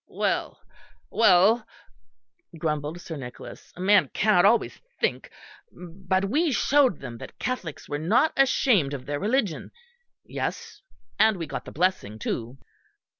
"Well, well," grumbled Sir Nicholas, "a man cannot always think, but we showed them that Catholics were not ashamed of their religion yes, and we got the blessing too."